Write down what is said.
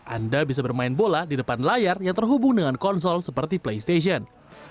anda bisa bermain bola di depan layar yang terhubung dengan konsol seperti playstation